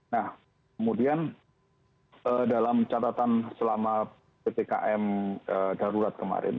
nah kemudian dalam catatan selama ppkm darurat kemarin